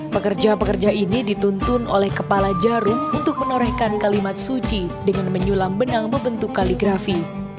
pekerja pekerja ini dituntun oleh kepala jarum untuk menorehkan kalimat suci dengan menyulam benang membentuk kaligrafi